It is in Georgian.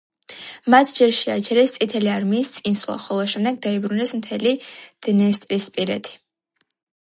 მათ ჯერ შეაჩერეს წითელი არმიის წინსვლა, ხოლო შემდეგ დაიბრუნეს მთელი დნესტრისპირეთი.